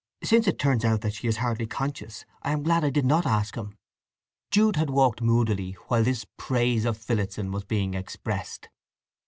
Since it turns out that she is hardly conscious I am glad I did not ask him." Jude had walked moodily while this praise of Phillotson was being expressed.